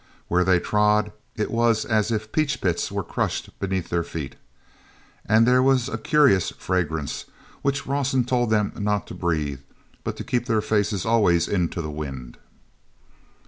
Where they trod it was as if peach pits were crushed beneath their feet. And there was a curious fragrance which Rawson told them not to breathe, but to keep their faces always into the wind.